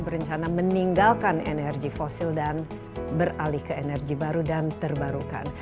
berencana meninggalkan energi fosil dan beralih ke energi baru dan terbarukan